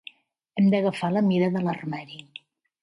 Hem d'agafar la mida de l'armari.